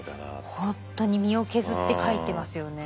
本当に身を削って書いてますよね。